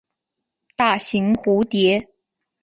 大型蝴蝶。